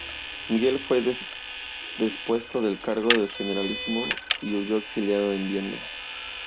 Miguel fue depuesto del cargo de generalísimo y huyó exiliándose en Viena.